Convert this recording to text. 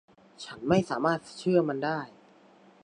ฉันไม่สามารถเชื่อมันได้.